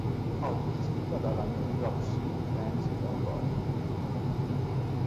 Oggi è gestita dalla New York City Transit Authority.